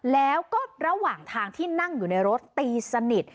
แล้วก็ระหว่างทางที่นั่งอยู่ในรถตีสนิท